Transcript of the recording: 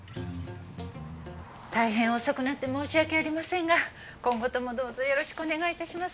大変遅くなって申し訳ありませんが今後ともどうぞよろしくお願い致します。